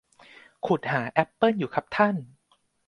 ขุดหาแอปเปิ้ลอยู่ครับท่าน